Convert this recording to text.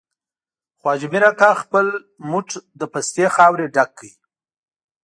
خو حاجي مير اکا خپل موټ له پستې خاورې ډک کړ.